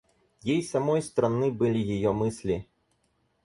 Ей самой странны были ее мысли.